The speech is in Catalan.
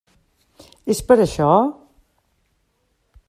És per això?